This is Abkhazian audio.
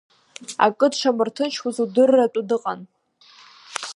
Акы дшамырҭынчуаз удырратәы дыҟан.